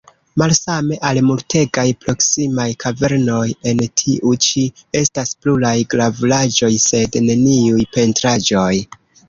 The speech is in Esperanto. Malsame al multegaj proksimaj kavernoj, en tiu ĉi estas pluraj gravuraĵoj, sed neniuj pentraĵoj.